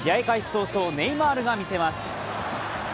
早々、ネイマールが見せます。